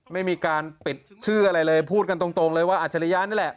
ไม่มีการปิดชื่ออะไรเลยพูดกันตรงเลยว่าอัจฉริยะนี่แหละ